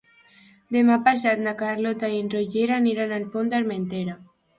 Demà passat na Carlota i en Roger aniran al Pont d'Armentera.